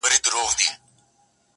په دريو مياشتو كي به لاس درنه اره كړي؛